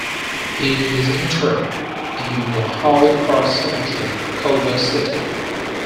He is interred in the Holy Cross Cemetery, Culver City.